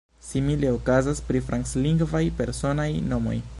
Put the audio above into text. Simile okazas pri franclingvaj personaj nomoj.